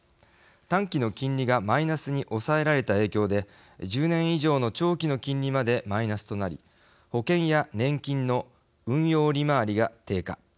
短期の金利がマイナスに抑えられた影響で１０年以上の長期の金利までマイナスとなり保険や年金の運用利回りが低下。